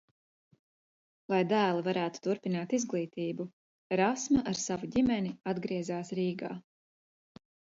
Lai dēli varētu turpināt izglītību, Rasma ar savu ģimeni atgriezās Rīgā.